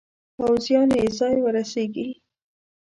پوځیان یې ځای ورسیږي.